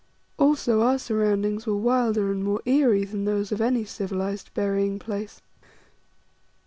Also our surroundings were wilder and more eerie than those of any civilized burying place.